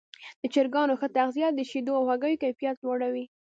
د چرګانو ښه تغذیه د شیدو او هګیو کیفیت لوړوي.